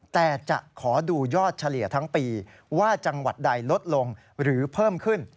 แต่จะขอดูยอดเฉลี่ยทั้งปีว่าจังหวัดใดลดลงหรือเพิ่มขึ้น